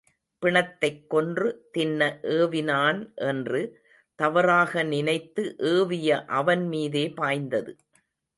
பிணத்தைக் கொன்று தின்ன ஏவினான் என்று தவறாக நினைத்து ஏவிய அவன் மீதே பாய்ந்தது.